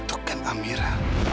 itu kan amira